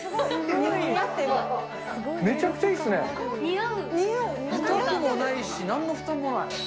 痛くもないし、なんの負担もない。